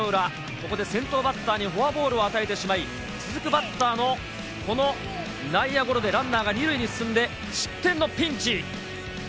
ここで先頭バッターにフォアボールを与えてしまい、続くバッターのこの内野ゴロでランナーが２塁に進んで失点のピンチ。